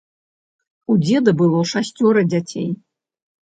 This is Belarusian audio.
У дзеда было шасцёра дзяцей.